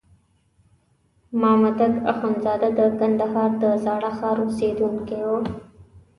مامدک اخندزاده د کندهار د زاړه ښار اوسېدونکی وو.